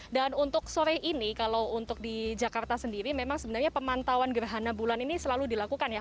dan untuk sore ini kalau untuk di jakarta sendiri memang sebenarnya pemantauan gerhana bulan ini selalu dilakukan ya